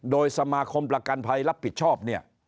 โดยสมาคมประกันภัยรับผิดชอบเนี่ย